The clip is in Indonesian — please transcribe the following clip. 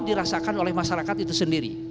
dirasakan oleh masyarakat itu sendiri